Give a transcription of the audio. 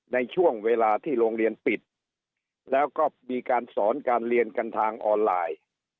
ในช่วงเวลาที่โรงเรียนปิดแล้วก็มีการสอนการเรียนกันทางออนไลน์